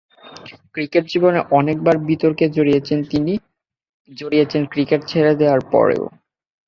Cricket জীবনে অনেক বার বিতর্কে জড়িয়েছেন তিনি, জড়িয়েছেন ক্রিকেট ছেড়ে দেওয়ার পরেও।